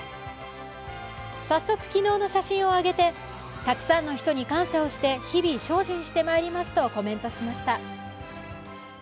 早速、昨日の写真を上げてたくさんの人に感謝をして日々精進してまいりますとコメントしました。